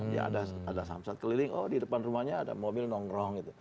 ya ada samsat keliling oh di depan rumahnya ada mobil nongkrong gitu